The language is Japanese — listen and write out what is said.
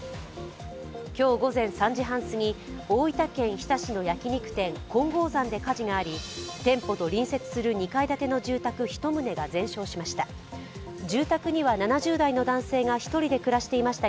今日午前３時半過ぎ、大分県日田市の焼き肉店、金剛山で火事があり店舗と隣接する２階建ての住宅１棟が全焼しました。